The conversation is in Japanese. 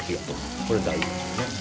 これ大事ですよね。